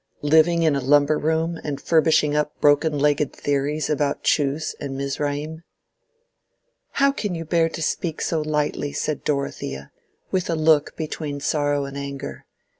—living in a lumber room and furbishing up broken legged theories about Chus and Mizraim?" "How can you bear to speak so lightly?" said Dorothea, with a look between sorrow and anger.